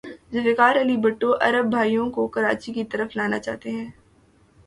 ذوالفقار علی بھٹو عرب بھائیوں کو کراچی کی طرف لانا چاہتے تھے۔